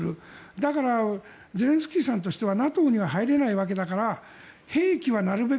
だからゼレンスキーさんとしてはＮＡＴＯには入れないわけだから兵器はなるべく